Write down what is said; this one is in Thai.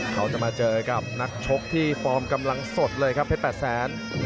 เขาจะมาเจอกับนักชกที่ฟอร์มกำลังสดเลยครับเพชร๘แสน